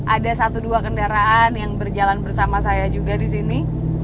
ada satu dua kendaraan yang berjalan bersama saya juga di sini